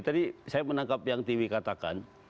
tadi saya menangkap yang tiwi katakan